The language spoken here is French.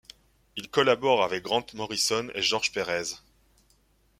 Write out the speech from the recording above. Il collabore avec Grant Morrison & George Pérez.